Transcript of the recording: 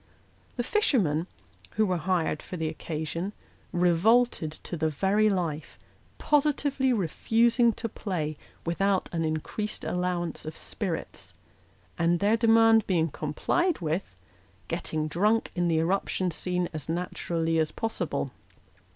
The fishermen, who were hired for the occasion, revolted to the very life, positively re fusing to play without an increased allowance of spirits ; and, their demand being complied with, getting drunk in the eruption scene as naturally as possible.